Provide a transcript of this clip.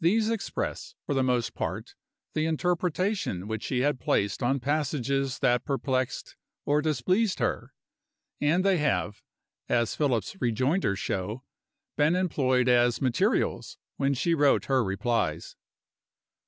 These express, for the most part, the interpretation which she had placed on passages that perplexed or displeased her; and they have, as Philip's rejoinders show, been employed as materials when she wrote her replies.